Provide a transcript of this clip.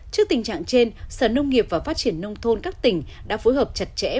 trước tình trạng trên sở nông nghiệp và phát triển nông thôn các tỉnh đã phối hợp chặt chẽ